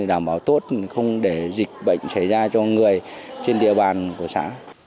đảm bảo tốt không để dịch bệnh xảy ra cho người trên địa bàn của xã